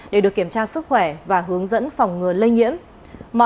để được kiểm tra sức khỏe và hướng dẫn phòng ngừa lây nhiễm